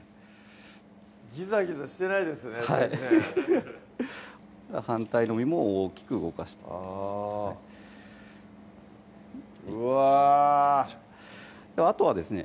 ギザギザしてないですね全然はいフフフッ反対の身も大きく動かしてあぁうわあとはですね